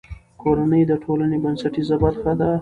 کورنۍ د ټولنې بنسټیزه برخه ده.